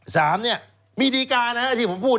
สามเนี่ยมีดีการนะครับที่ผมพูด